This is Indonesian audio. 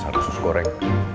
dasar usus goreng